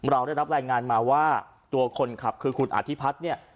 เราได้รับรายงานมาว่าตัวคนขับคือคุณอธิพัฒน์เนี่ย